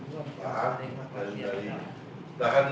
dahan dari kami